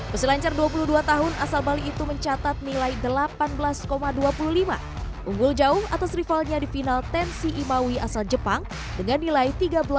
peselancar dua puluh dua tahun asal bali itu mencatat nilai delapan belas dua puluh lima unggul jauh atas rivalnya di final tensi imawi asal jepang dengan nilai tiga belas lima puluh